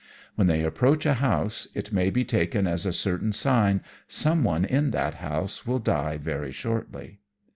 When they approach a house, it may be taken as a certain sign someone in that house will die very shortly.